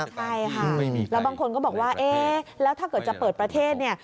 ใช่ค่ะแล้วบางคนก็บอกว่าเอ๊ะแล้วถ้าเกิดจะเปิดประเทศเนี่ย